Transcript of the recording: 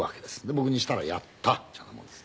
僕にしたらやったーっていうようなもんです。